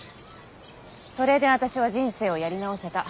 それで私は人生をやり直せた。